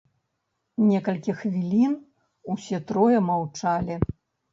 Некалькі хвілін усе трое маўчалі.